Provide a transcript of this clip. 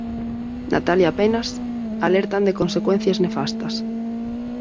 Natalia Penas, alertan de consecuencias nefastas.